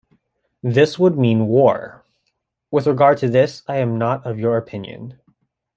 This would mean war... with regard to this, I am not of your opinion.